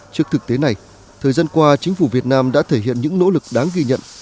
trước thực tế này thời gian qua chính phủ việt nam đã thể hiện những nỗ lực đáng ghi nhận